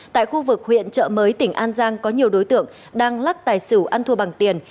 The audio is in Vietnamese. tại khu vực huyện trợ mới tỉnh an giang có nhiều đối tượng đang lắc tài xỉu ăn thua bằng tiền